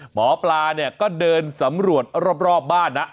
หมอปลาเนี่ยก็เดินสำรวจรอบบ้านนะ